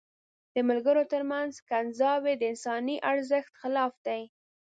د ملګرو تر منځ کنځاوي د انساني ارزښت خلاف دي.